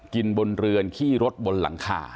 บนเรือนขี้รถบนหลังคา